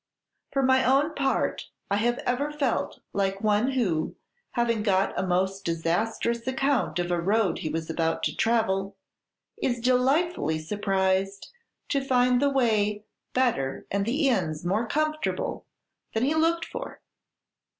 For my own part, I have ever felt like one who, having got a most disastrous account of a road he was about to travel, is delightfully surprised to find the way better and the inns more comfortable than he looked for.